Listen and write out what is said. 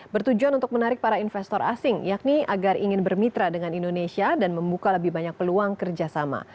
bertujuan untuk menarik para investor asing yakni agar ingin bermitra dengan indonesia dan membuka lebih banyak peluang kerjasama